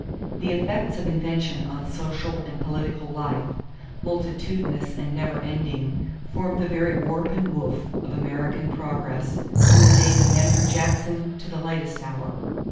The effects of invention on social and political life, multitudinous and never ending, form the very warp and woof of American progress from the days of Andrew Jackson to the latest hour.